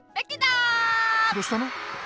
どしたの？